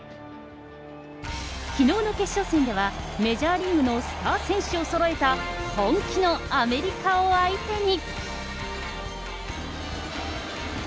きのうの決勝戦ではメジャーリーグのスター選手をそろえた本気のアメリカを相手に。